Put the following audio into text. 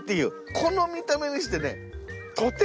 この見た目にしてね。